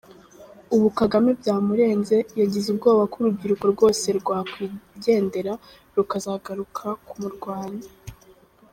Ubu Kagame byamurenze, yagize ubwoba ko urubyiruko rwose rwakwigendera rukazagaruka ku murwanya.